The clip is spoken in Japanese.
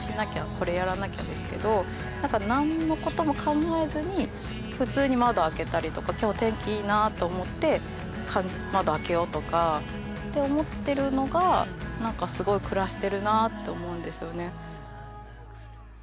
「これやらなきゃ」ですけど何か何のことも考えずに普通に窓開けたりとか「今日天気いいな」と思って「窓開けよう」とかって思ってるのが何かすごい暮らしてるなあって思うんですよね。